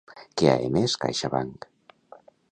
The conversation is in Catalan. Què ha emès CaixaBank?